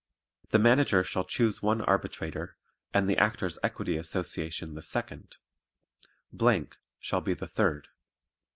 The Manager shall choose one arbitrator and the Actors' Equity Association the second; shall be the third.